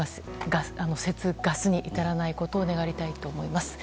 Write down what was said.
節ガスに至らないことを願いたいと思います。